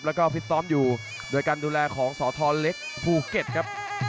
แล้วก็ฟิตซ้อมอยู่โดยการดูแลของสทเล็กภูเก็ตครับ